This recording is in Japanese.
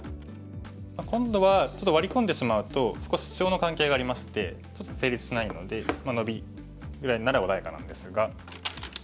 今度はちょっとワリ込んでしまうと少しシチョウの関係がありましてちょっと成立しないのでノビぐらいなら穏やかなんですが。